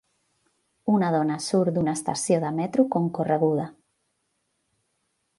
Una dona surt d'una estació de metro concorreguda.